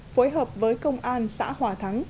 phối hợp với công an xã hòa thắng